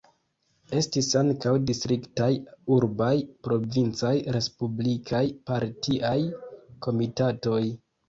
Estis ankaŭ distriktaj, urbaj, provincaj, respublikaj partiaj komitatoj.